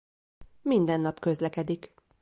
Mindennap közlekedik.